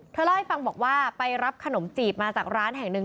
เล่าให้ฟังบอกว่าไปรับขนมจีบมาจากร้านแห่งหนึ่ง